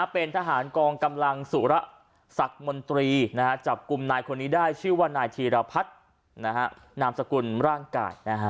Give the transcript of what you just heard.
เป็นทหารกองกำลังสุระศักดิ์มนตรีจับกลุ่มนายคนนี้ได้ชื่อว่านายธีรพัฒนามสกุลร่างกาย